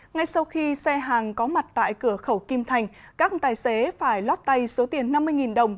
ngay sau khi xe hàng có mặt tại cửa khẩu kim thành các tài xế phải lót tay số tiền năm mươi đồng